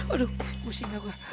aduh musiknya gw